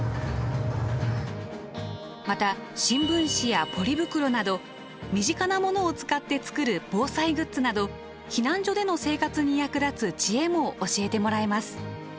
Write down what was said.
また新聞紙やポリ袋など身近なものを使って作る防災グッズなど避難所での生活に役立つ知恵も教えてもらえます。